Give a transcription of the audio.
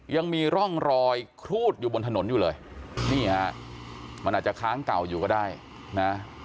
ยังมีร่องรอยครูดอยู่บนถนนอยู่เลยนี่ฮะมันอาจจะค้างเก่าอยู่ก็ได้นะ